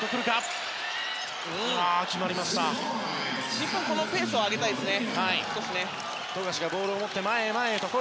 日本は少しペースを上げたいですね。